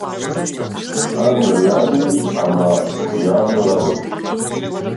Арно јади, ама и арно работи.